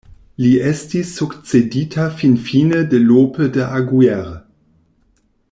Li estis sukcedita finfine de Lope de Aguirre.